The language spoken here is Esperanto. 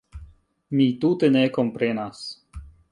Mi tute ne komprenas.